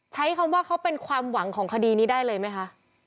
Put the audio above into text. ใช้คำว่าเขาเป็นความหวังของคดีนี้ได้เลยไหมคะ